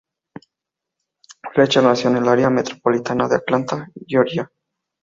Fletcher nació en el área metropolitana de Atlanta, Georgia.